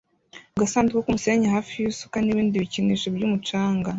mu gasanduku k'umusenyi hafi y'isuka n'ibindi bikinisho by'umucanga